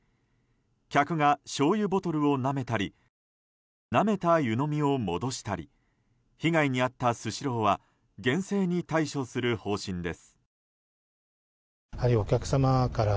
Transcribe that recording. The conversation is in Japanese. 客がしょうゆボトルをなめたりなめた湯飲みを戻したり被害に遭ったスシローは厳正に対処する方針です。